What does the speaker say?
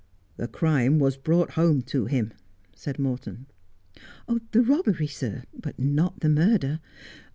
' The crime was brought home to him,' said Morton. ' The robbery, sir, but not the murder.